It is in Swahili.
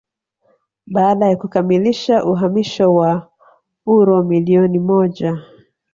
baada ya kukamilisha uhamisho wa uro milioni moja